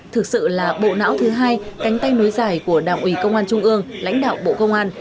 thực sự là bộ não thứ hai cánh tay nối dài của đảng ủy công an trung ương lãnh đạo bộ công an